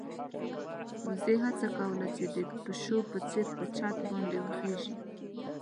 وزې هڅه کوله چې د پيشو په څېر په چت باندې وخېژي.